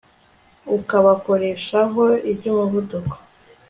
Ukabakoreshaho ibyumuvundo